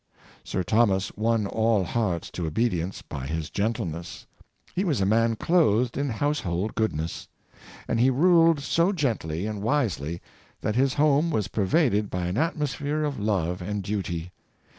Sir Thomas won all hearts to obedience by his gentleness. He was a man clothed in household goodness; and he ruled so gently and wisely that his home was pervaded by an atmos phere of love and duty.